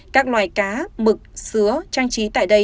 các loài cá mực sứa trang trí tại đây